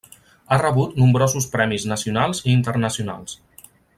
Ha rebut nombrosos premis nacionals i internacionals.